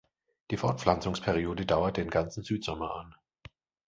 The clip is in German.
Die Fortpflanzungsperiode dauert den gesamten Südsommer an.